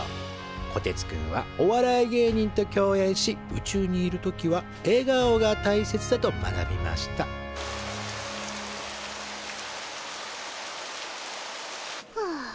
こてつくんはお笑い芸人と共演し宇宙にいる時はえがおがたいせつだと学びましたはあ。